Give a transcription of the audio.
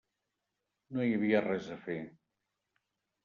No hi havia res a fer.